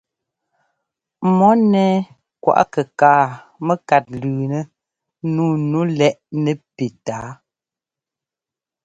Mɔ nɛ́ɛ kwaꞌ kɛkaa mɛ́kát lʉʉnɛ́ nǔu nu lɛ́ꞌ nɛpí tǎa.